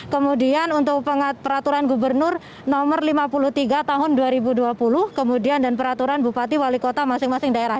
kemudian untuk peraturan gubernur nomor lima puluh tiga tahun dua ribu dua puluh kemudian dan peraturan bupati wali kota masing masing daerah